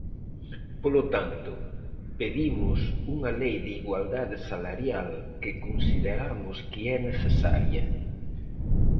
Polo tanto, pedimos unha lei de igualdade salarial, que consideramos que é necesaria.